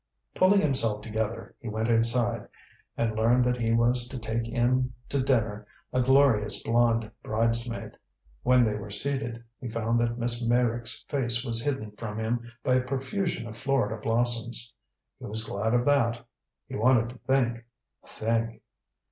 Pulling himself together, he went inside and learned that he was to take in to dinner a glorious blond bridesmaid. When they were seated, he found that Miss Meyrick's face was hidden from him by a profusion of Florida blossoms. He was glad of that. He wanted to think think.